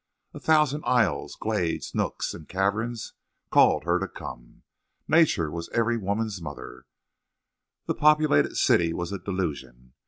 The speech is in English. A thousand aisles, glades, nooks, and caverns called her to come. Nature was every woman's mother. The populated city was a delusion.